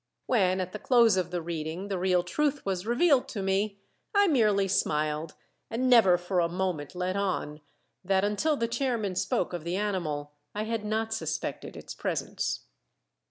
When at the close of the reading the real truth was revealed to me I merely smiled, and never for a moment let on that until the chairman spoke of the animal I had not suspected its presence.